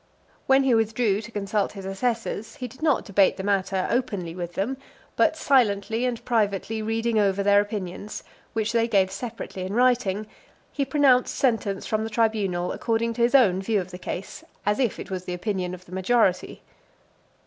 When he withdrew to consult his assessors, he did not debate the matter openly with them; but silently and privately reading over their opinions, which they gave separately in writing, (347) he pronounced sentence from the tribunal according to his own view of the case, as if it was the opinion of the majority.